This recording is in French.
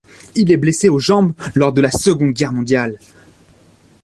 Il est blessé aux jambes lors de la Seconde Guerre mondiale.